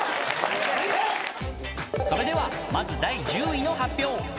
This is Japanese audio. ［それではまず第１０位の発表］